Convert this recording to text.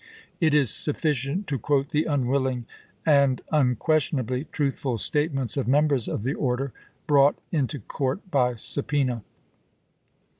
It is sufficient to quote the unwilling and unquestionably truthful statements of members of the order, brought into court by subpoena.